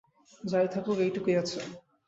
যাই থাকুক, এটুকুই আছে।